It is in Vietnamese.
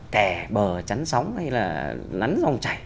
kè bờ chắn sóng hay là nắn rong chảy